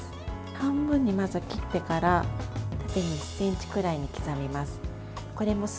半分にまず、切ってから縦に１ｃｍくらいに刻みます。